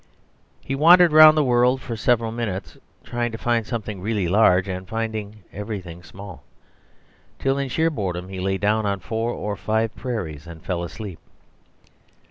He wandered round the world for several minutes trying to find something really large and finding everything small, till in sheer boredom he lay down on four or five prairies and fell asleep.